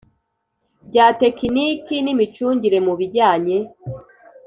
bya tekiniki n imicungire mu bijyanye